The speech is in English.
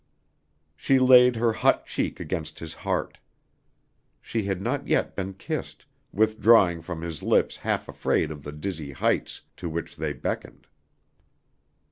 She laid her hot cheek against his heart. She had not yet been kissed, withdrawing from his lips half afraid of the dizzy heights to which they beckoned.